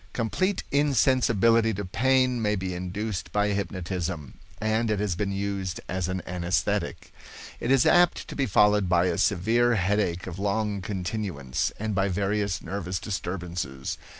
Complete insensibility to pain may be induced by hypnotism, and it has been used as an anaesthetic. It is apt to be followed by a severe headache of long continuance, and by various nervous disturbances.